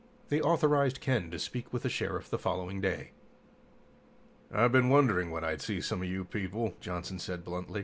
They authorized Ken to speak with the Sheriff the following day. "I've been wondering when I'd see some of you people," Johnson said bluntly.